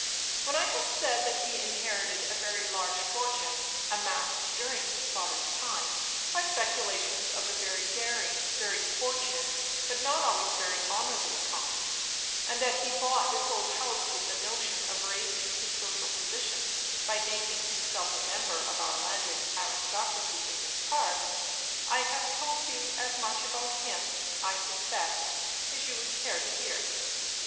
When I have said that he inherited a very large fortune, amassed during his father's time, by speculations of a very daring, very fortunate, but not always very honorable kind, and that he bought this old house with the notion of raising his social position, by making himself a member of our landed aristocracy in these parts, I have told you as much about him, I suspect, as you would care to hear.